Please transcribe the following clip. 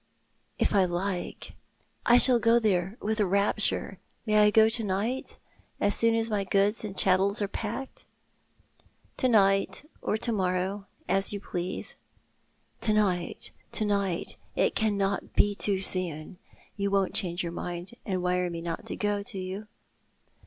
" If I like— I shall go there with rapture. May I go to night, as soon as my goods and chattels are packed? "" To night or to morrow, as you please." "To night— to night. It cannot be too soon. You won't change your mind, and wire to me not to go to yon